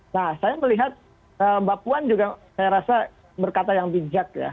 nah saya melihat mbak puan juga saya rasa berkata yang bijak ya